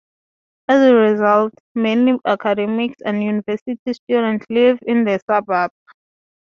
As a result many academics and university students live in the suburb.